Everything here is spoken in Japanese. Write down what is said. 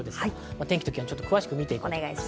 天気を詳しく見ていきます。